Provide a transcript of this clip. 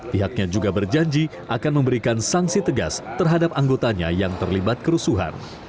pihaknya juga berjanji akan memberikan sanksi tegas terhadap anggotanya yang terlibat kerusuhan